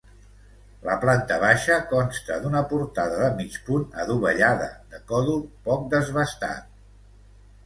La planta baixa consta d’una portada de mig punt adovellada de còdol poc desbastat.